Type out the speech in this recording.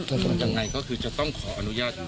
ยังไงก็คือจะต้องขออนุญาต